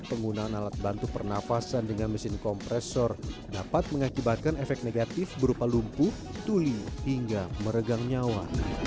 penggunaan alat bantu pernafasan dengan mesin kompresor dapat mengakibatkan efek negatif berupa lumpuh tuli hingga meregang nyawa